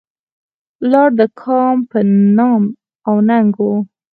ولاړ د کام په نام او ننګ و.